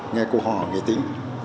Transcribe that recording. nghe cô họ nghe tính